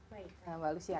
baik mbak lucia